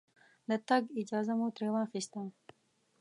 د تګ اجازه مو ترې واخسته.